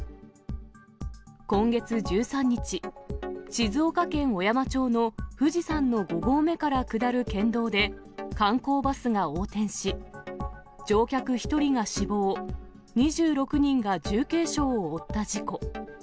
今月１３日、静岡県小山町の富士山の５合目から下る県道で、観光バスが横転し、乗客１人が死亡、２６人が重軽傷を負った事故。